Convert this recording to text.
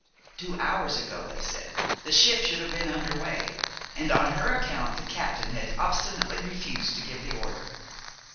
Two hours ago, they said, the ship should have been under way, and on her account the captain had obstinately refused to give the order.